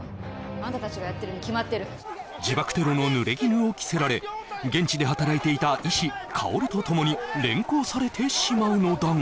あんたたちがやってるに決まってる自爆テロのぬれぎぬを着せられ現地で働いていた医師薫とともに連行されてしまうのだが